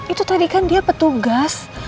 itu tadi kan dia petugas